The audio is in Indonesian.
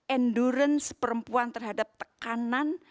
endurance perempuan terhadap tekanan